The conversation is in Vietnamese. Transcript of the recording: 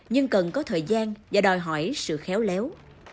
nhưng cần có thời gian và đòi hỏi sự khéo léo